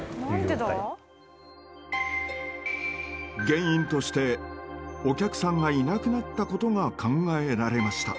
原因としてお客さんがいなくなったことが考えられました。